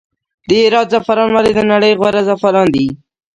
د هرات زعفران ولې د نړۍ غوره زعفران دي؟